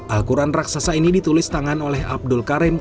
al quran raksasa ini ditulis tangan oleh abdul karim